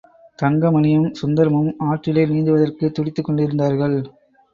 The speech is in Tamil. தங்கமணியும் சுந்தரமும் ஆற்றிலே நீந்துவதற்குத் துடித்துக் கொண்டிருந்தார்கள்.